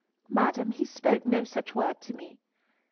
"Madam, he spoke no such word to me."